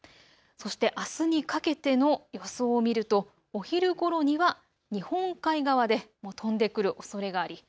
そして、あすにかけての予想を見るとお昼ごろには日本海側で飛んでくるおそれがあり